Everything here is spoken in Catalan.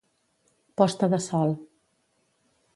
Posta de sol.